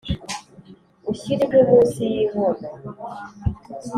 Ushyire inkwi munsi y’inkono